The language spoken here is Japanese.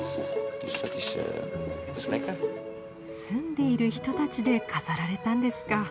住んでいる人たちで飾られたんですか。